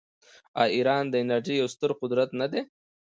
آیا ایران د انرژۍ یو ستر قدرت نه دی؟